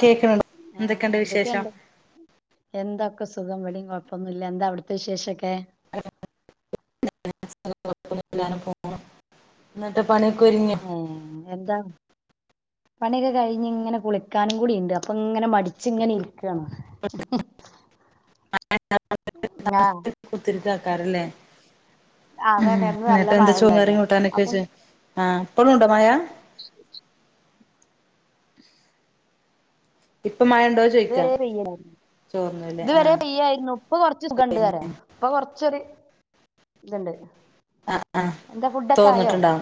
കേക്കണ്ണ്ട് ആഹ് എന്തൊക്കെണ്ട് വിശേഷം ഒക്ക സുഖം വ്ടെ കൊഴ്പ്പൊന്നുല്ല എന്താ അവിട്ത്തെ വിശേഷക്കെ [unintelligible] ന്നിട്ട് ആഹ് എന്താ പണിയക്കെ കഴിഞ് ഇങ്ങനെ കുളിക്കാനും കൂടിണ്ട് അപ്പൊങ്ങനെ മടിച്ചിങ്ങനെ ഇരിക്കാണ് [unintelligible] കുത്തിരിക്കക്കാരല്ലേ ആഹ് അഹ് അതന്നെ അഹ് ഇന്ന് നല്ല എന്നിട്ട് മഴ എന്താ ചോകറീ ഉണ്ടല്ലോ കൂട്ടാനൊക്കെ അപ്പം വെച്ച ആഹ് ഇപ്പോഴുംണ്ടോ മയ ഇപ്പൊ മഴ ഉണ്ടോ ചോദിക്കാം ഇതുവരെ പെയ്യലാണ് ചോർന്നുല്ലേ ഇത് ആ വരെ പെയ്യായിരുന്നു ഇപ്പൊ കൊറച്ച്സുഗണ്ട് പിന്നെ പറയാ ഇപ്പൊ കൊറച്ചൊരു ഇത്ണ്ട് ആ ആ തോർന്നിട്ട്ണ്ടാവും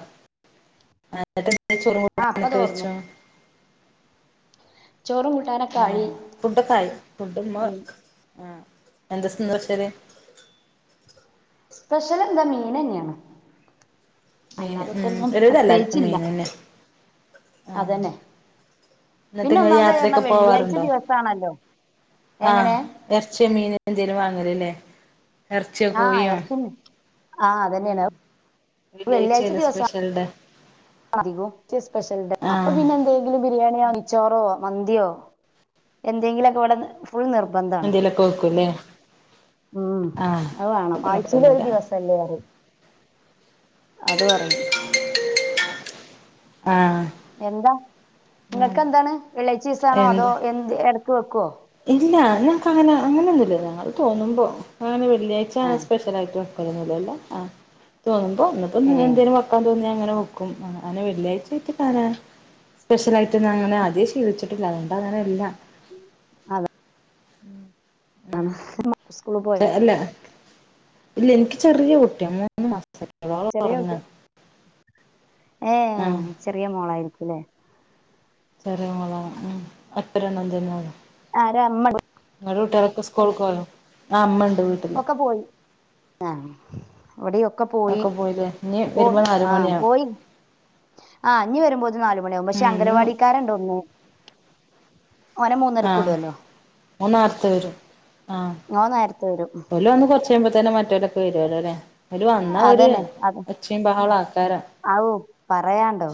എന്നിട്ടെന്തെ ചോറും ആഹ് ഇപ്പൊ കുട്ടനൊക്കെ തോർന്നു വെച്ചോ ചോറും കൂട്ടാനൊക്കെ ആ ആയി ഫുഡൊക്കെ ആയി ഫുഡ്‌മ്മ മീൻ ആ എന്തസഭവച്ചാൽ സ്പെഷ്യൽ എന്ത മീനേന്യണ് മീന് ഉം അല്ലാതപ്പൊന്നും ഒരുവിധം എല്ലാർക്കും പ്രത്യേകിച്ചില്ല മീൻ തന്നെ ആ അതന്നെ എന്നിട്ട് പിന്നെ നിങ്ങള് ഒന്നാമദ്പറഞ്ഞ യാത്രയൊക്കെ വെള്ളിയാഴ്ച പോവാറുണ്ടോ ദിവസാണല്ലോ ആഹ് എങ്ങനെ എറച്ചിയോ മീനോ എന്തേലും വാങ്ങല്‌ല്ലേ ആ എറച്ചിണ് ആ ഉം അതന്നെയാണ് [inaudible] വെള്ളിയാഴ്ച വെള്ളിയാഴ്ചയല്ലേ ദിവസ സ്പെഷ്യൽ ഡേ അധികവും [inaudible] സ്പെഷ്യൽ [unintelligible] അപ്പൊ ആഹ് പിന്നെഎന്തെങ്കിലും ബിരിയാണിയോ നെയ്‌ച്ചോറോ മന്തിയോ എന്തെങ്കിലോക്കെ ഇവിടെന്ന് എന്തെലൊക്കെ വെക്കുംല്ലേ ഉം അത് അപ്പൊ വേണം പിന്നെ ആഴ്ചയില ഒരു കൊഴപ്പൊന്നുല്ല ദിവസല്ലേ പറിയും അത് പറയും ആഹ് എന്താ ഉം ഇങ്ങക്ക് എന്താണ് വെള്ളിയായിച്ചീസാണോ അതോ എന്ത് എടക്ക് വെക്കോ ഇല്ല ഞങ്ങക്ക് അങ്ങനെ അങ്ങനെന്നുല്ല ഞങ്ങൾ തോന്നുമ്പോ അങ്ങനെ വെള്ളിയാഴ്ചാണ് ആഹ് സ്പെഷ്യൽ ആയിട്ട് തോന്നുമ്പോ ന്ന്പ്പോനി ഏഹ് എന്തേലും വെക്കാൻ തോന്നിയ അങ്ങനെ വെക്കും അങ്ങനെ വെള്ളിയാഴ്ചയിട്ട് [unintelligible] സ്പെഷ്യൽ ആയിട്ട്ന്ന അങ്ങനെ ആദ്യേ ശീലിച്ചിട്ടില്ല അതൊണ്ട് അങ്ങനെ ഇല്ലാ അതെ [inaudible] സ്കൂള് പോയോ അല്ല ഇല്ല ഇനിക്ക് ചെറിയ കുട്ടിയ മൂന്ന് മസായിട്ടുള്ളു ഓളോറങ്ങ ഏ ചെറിയ മോളായിരിക്കുലെ ചെറിയാമോളാ ഉം [unintelligible] ആരാമ്മടോ സ്‌ക്കുൾക്കൊ ആമ്മ ഒക്കെ പോയി ആ ഇവിടെയോക്കെ പോയി ഒക്കെ പോയില്ലേ ഇനി പോ വരുമ്പോ നാല് ആ മണിയാവും പോയി ആ ഞ്ഞ് വരുമ്പോത്തിന് നാല് മണിയാകും പക്ഷെ ഉം ഇനി അംഗനവാടിക്കാരന്ണ്ടോന്ന് ആ വിടുമല്ലോ ഓൻന്നാർത്ത വരും ആ ഓൻ നേരത്തെ വരും ഓല് വന്ന് കൊറച്ച്കയ്യുമ്പോ തന്നെ മറ്റോരൊക്കെ വരുവല്ലോ ല്ലേ ഒരു വന്നാ ഒര് ഒച്ചയും ബഹളാ ഔ പറയാണ്ടോ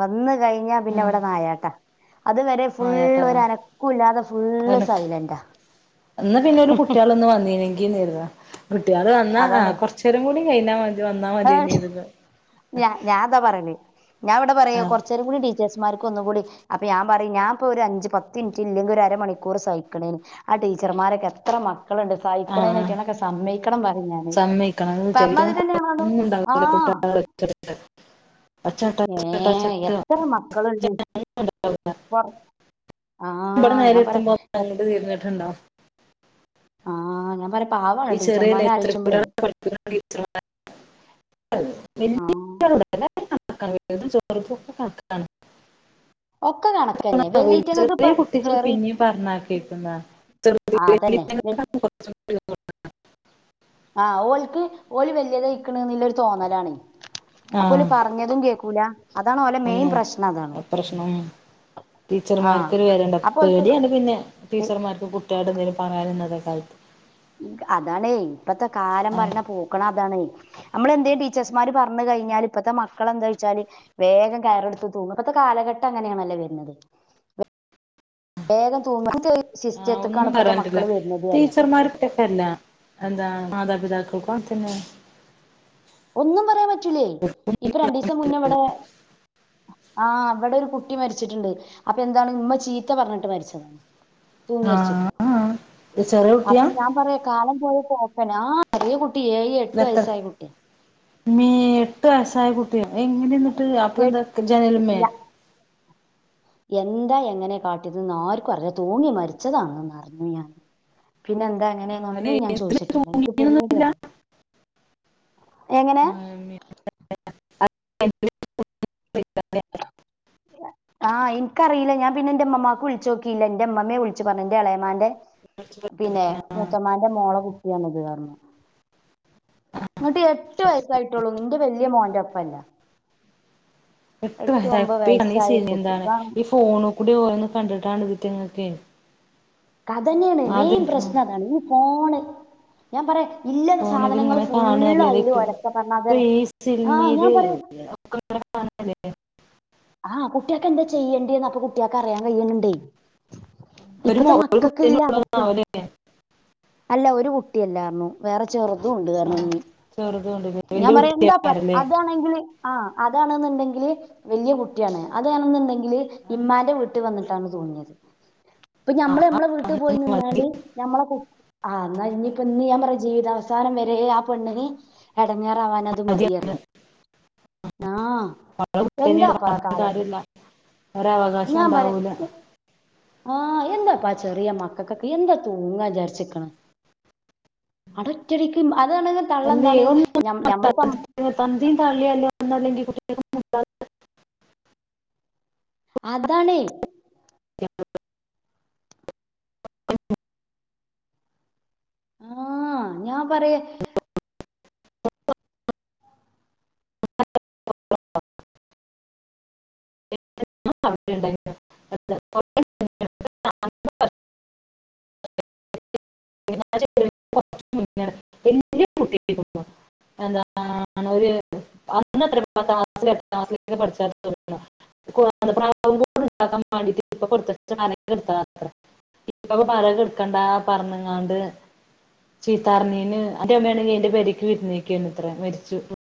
വന്ന് കഴിഞ്ഞാ പിന്നെ ഉം ഇവിടെനായാട്ടാ അതുവരെ ഫുള് വായാട്ടാ ഒരനക്കുല്ലാതെ ഫുള്ള് സൈലന്റാ എന്നാ പിന്നെ ഒരു കുട്ട്യാളോന്ന് വന്നീനെങ്കി നേര്ന്നു കുട്ട്യാൾ വന്നാ ആ അതാണ് കൊറചെരം കൂടി കഴിഞ്ഞമതി വന്നാ മതിയേന്നെരുന്നു ഞാ ഞാതാപറയല് ഞാഇവിടെ പറയേ ആഹ് കൊറച്ചെരംകൂടി ടീച്ചേഴ്സ്മാർക്ക് ഒന്നും കൂടി അപ്പഞാ ഞാൻ പറയും ഞാനിപ്പോ ഒരു അഞ്ച് പത്ത് മിനിറ്റ് ഇല്ലെങ്കിൽ ഒരരമണിക്കൂർ സഹിക്കണെന് ആ ടീച്ചർമാരൊക്കെ എത്ര മ ക്കളുണ്ട് സഹിക്കണയിന് ആഹ് അയിറ്റാളൊക്കെ സമ്മയിക്കണം പറയും ഞാന് സമ്മയിക്കണം എന്ന് വിചാരിക്കും ഒന്നും [inaudible] [inaudible] ഏ എത്ര മക്കളുണ്ട് ഇപ്പൊ ആ ഇവിടെ ഞാൻ പറയാ നേരെത്തുമ്പോ അങ്ങട്ട് തിരിനിട്ട്ണ്ടാവും ആ ഞാൻ പറ ഈ ചെറിയ [unintelligible] [unintelligible] ആ ചെറുതൊക്കെ വർക്കെ കണക്കാണ് ഒക്കെ കണക്കന്നെ വല്യറ്റങ്ങൾക്ക് ഇപ്പ ചെറിയ കുട്ടികൾ ചെറി പിന്നെയും പറഞ്ഞാ കേക്കുന്നേ ആ അതന്നെ വെ- [unintelligible] ആ ഓൽക്ക് ഓല് വല്യതായ്ക്ക്ണ് ന്നുള്ളൊരു തോന്നലാണ് അപ്പോല് പറഞ്ഞതും കേക്കൂല അതാണ് ഓലെ മെയിൻ എന്നെ പ്രശ്നം അതാണ് അട്ത്തർശ്നം ആ ടീച്ചർമാർക്കൊരു വെലണ്ടപ്പം അപ്പൊ ഓൽക്ക് പേടിയാണ്ട് പിന്നെ എ- ടീച്ചർമാർക്ക് കുട്ടിയാളതിൻ പറയാതന്ന അതാാണ് ഇപ്പത്തെ കാലം ആഹ് പറയ്ണ പൂക്കളം അതാണ് മ്മൾ ന്തേം ടീച്ചേഴ്സ്മാര് പറഞ്ഞ് കഴിഞ്ഞാൽ ഇപ്പത്തെ മക്കളെന്താ യ്ച്ചാല് വേഗം കയറെടുത്ത് തൂങ്ങും ഇപ്പത്തെ കാലഘ ഘട്ടങ്ങനെയാണല്ലെ വര്ണത് വേഗം തൂങ്ങും [unintelligible] ആഹ് ഒന്നും പറയാൻറ്റില്ല ടീച്ചർമാർകെക്കെ അല്ലാ ന്താ മതാപിതാക്കൾക്കുങ്‌ത്തന്നെ ഒന്നും പറയാൻ പറ്റൂലെ ഇപ്പൊ രണ്ടീസം മുന്നേ ഇവ്ടെ ആഹ് ഇവടെ ഒരു കുട്ടി മരിച്ചിട്ട്ണ്ട് അപ്പൊ എന്താണ് ഉമ്മ ചീത്ത പറഞ്ഞട്ട് മരിച്ചതാ തൂങ്ങിര്ച്ചക്ക ആഹ് ആഹ് ചെറിയ അപ്പൊ കുട്ടിയാ ഞാൻ പറയാ കാലം പോയ പോക്കേ ആഹ് ഈ കുട്ടി ഏഴ് എട്ട് വയസ്സായ കുട്ടിയ മീ എട്ടു വയസ്സായ കുട്ടിയോ എങ്ങനെ എന്നിട്ട് അപ്പൊ എട്ട് എന്താ ജനലിമ്മേ ല്ല എന്താ എങ്ങനെ കാട്ടിയതയെന്ന് ആർക്കും അഅറിഞ്ഞൂട തൂങ്ങി മരിച്ചതാണന്ന് അറിഞ്ഞു ഞാൻ പിന്നെ എന്താ അല്ലെ എങ്ങനെന്നൊന്നും ഞാൻ ചോദിച്ചിട്ടില്ല എനിക്ക് പേടിയാ എഴുതാനൊന്നുമില്ല എങ്ങനേ [unintelligible] ആഹ് എൻക്ക് അറീല ഞാൻ പിന്നെ എന്റെ ഇമ്മമാക്ക് വിള്ച്ച് നോക്കിയില്ല എന്റെ ഇമ്മമ്മേ വിള്ച്ച് പറഞ്ഞത് എന്റെ എളാമാന്റെ- പിന്നെ മുത്തമാന്റെ മോളെ കുട്ടിയാണ് ഇത്‌ പറഞ്ഞു ഇങ്ങട്ട് എട്ട് വയസ്സായിട്ടൊള്ളൂ ഇന്റെ വല്യ മോന്റെ ഒപ്പമല്ല എട്ട്യ വയസ്സായിഈ [unintelligible] വയസ്സായ സീരി കുട്ടി എന്താണ് ഈ ഫോൺ കൂടി ഓരോന്ന് കണ്ടിട്ടാണ് ഇതിറ്റി - ക്കെ [unintelligible] അത് തന്നെയാണ് മെയിൻ പ്രശ്നം അതാണ് ഈ ഫോണ് ഞാൻ പറയാ ഇല്ല ഫോണിൽ സാധനങ്ങൾ ഇങ്ങനെ ഫുള്ള് കാണുവല്ലേ തായി [unintelligible] അയില് ക്കും ഒലക്ക പറഞ്ഞ അതെ ഇപ്പം ഈ ആഹ് ഞാൻ സിനിമേല് പറയാ ഒക്കെ- കാണല്ലേ ആ കുട്ടികൾക്ക് എന്താ ചെയ്യണ്ടിയേന്ന് അപ്പൊ കുട്ടിയാൾക്കറിയാൻ കഴിണ്ണ്ണ്ടേ ഒരു മോ ഇപ്പത്തെ ഒരു മക്കൾക്ക് കുട്ടീനെ ഇല്യ ഉള്ളൂ അവസ്ഥയാണ് ആവൂലേ അല്ല ഒരു കുട്ടിയല്ലാ ർന്നു വേറെ ചെർതും [unintelligible] ആ ണ്ട്റഞ്ഞു ചെറുതുണ്ട് ഞാൻ വല്യ പറയാ എന്താപ്പ കുട്ടിയേക്കാരല്ലേ അതാണെങ്കിൽ ആഹ് അത് അതാണെന്ന് ഉണ്ടെങ്കില് വല്ലിയ കുട്ടിയാണ് അതാണെന്നുണ്ടെങ്കിൽ ഇമ്മാന്റെ വീട്ടി വന്നിക്കാ ട്ടാണ് തോന്നിയത് ഇപ്പ ആ ഞമ്മള് ഞമ്മളെ വീട്ടില് പോയി മതി നിന്നാണ്ട് നമ്മളെ കു- ആഹ് എന്നാ ഇഞിയിപ്പൊ ഇന്ന് ഞാൻ പറയാ ജീവിതവസാനം വരെ ആ പെണ്ണിന് എട- എടങ്ങേറവാൻത് ഞങ്ങളെ മതിയാരി ആഹ് കുട്ടീനെയാണ് എന്താപ്പാ ആഹ് ക- കാ പറഞ്ഞിട്ട് [unintelligible] ല കാര്യമില്ല ഒരവകാശം ഞാൻ ഉണ്ടാവൂല പറയാ ആ എന്തുവാ ഇപ്പൊ ചെറിയ മക്കൾക്കൊക്കെ എന്താ തൂങ്ങാൻ വിചാരിച്ചേക്കണ് അത് ഒറ്റയടിക്ക് മ - അല്ലെ ഓൻ തന്തയും തള്ളയുയല്ലേ ഒന്നല്ലെങ്കിൽ കുട്ടി- [inaudible] അതാണെ [inaudible] ആ ഞാൻ പറയാ [inaudible] [inaudible] [inaudible] [unintelligible] [inaudible] [inaudible] ന്നാണ്ട് ചീത്തർഞ്ഞെന് [unintelligible] ത്രെ മരിച്ചു